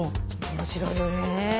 面白いよね。